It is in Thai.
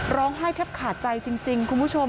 ร้องไห้แทบขาดใจจริงคุณผู้ชม